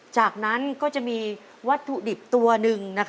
ขอเชยคุณพ่อสนอกขึ้นมาต่อชีวิตเป็นคนต่อชีวิตเป็นคนต่อชีวิต